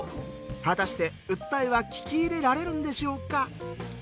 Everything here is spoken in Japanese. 果たして訴えは聞き入れられるんでしょうか。